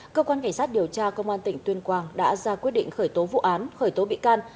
cơ quan cảnh sát điều tra công an tỉnh tuyên quang đã ra quyết định khởi tố vụ án khởi tố bị can